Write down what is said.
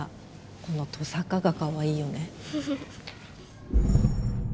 このトサカがかわいいよね。